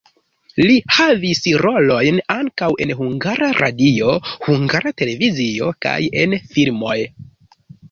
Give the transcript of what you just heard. Li havis rolojn ankaŭ en Hungara Radio, Hungara Televizio kaj en filmoj.